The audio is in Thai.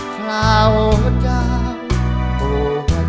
คราวเจ้าโตให้ตูตัวบาด